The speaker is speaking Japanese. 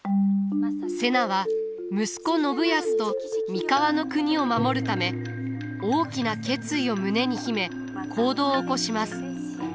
瀬名は息子信康と三河国を守るため大きな決意を胸に秘め行動を起こします。